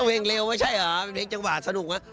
ลาเบ้งเลวนี่ใช่เหรอเพียงจังหวาดสนุกมั้ย